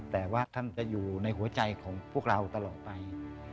แต่ว่าท่านจะอยู่ในหัวใจของพวกเราตลอดไป